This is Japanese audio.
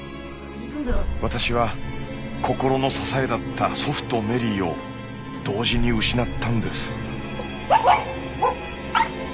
私は心の支えだった祖父とメリーを同時に失ったんです。